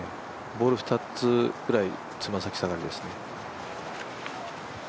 ボール２つぐらいつま先下がりですね。